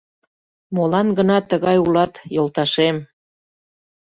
Молан гына тыгай улат, йолташем?